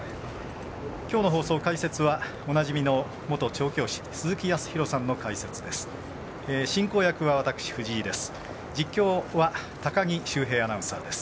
きょうの放送・解説はおなじみの元調教師鈴木康弘さんの解説です。